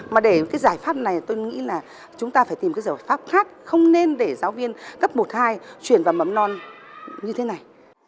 mà để cái giải pháp này tôi nghĩ là chúng ta phải tìm cái giải pháp khác không nên để giáo viên cấp một hai chuyển vào mấm non như thế này